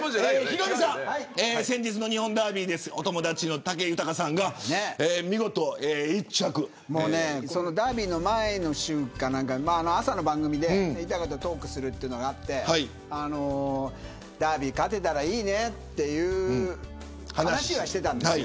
ヒロミさん、先日の日本ダービーお友達の武豊さんがダービーの前の週に朝の番組で豊とトークするというのがあってダービー勝てたらいいねっていう話はしてたんですよ。